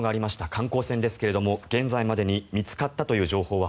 観光船ですが、現在までに見つかったという情報は